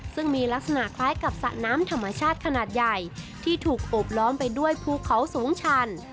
ซึ่งมีลักษณะคล้ายกับสระน้ำธรรมชาติขนาดใหญ่ที่ถูกโอบล้อมไปด้วยภูเขาสูงชัน